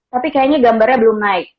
tapi kayaknya gambarnya belum naik